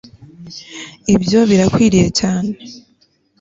ibyo birakwiriye cyane